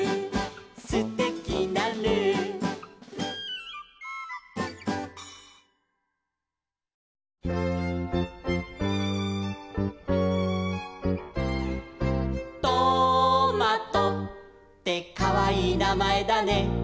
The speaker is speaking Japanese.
「すてきなルー」「トマトってかわいいなまえだね」